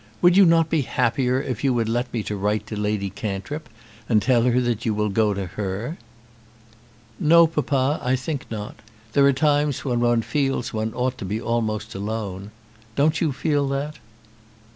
Would you not be happier if you would let me write to Lady Cantrip, and tell her that you will go to her?" "No, papa, I think not. There are times when one feels that one ought to be almost alone. Don't you feel that?"